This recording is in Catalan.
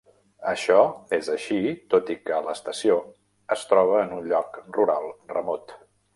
Això és així tot i que l'estació es troba en un lloc rural remot.